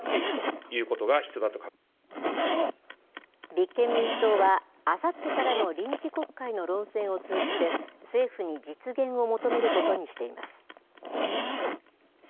立憲民主党は、あさってからの臨時国会の論戦を通じて、政府に実現を求めることにしています。